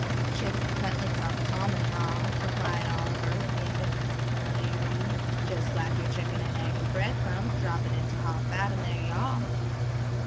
"Chicken cutlets are common, ma," replied Oliver, with the indifference of familiarity. "Just slap your chicken in egg and bread crumbs, drop it into hot fat and there you are."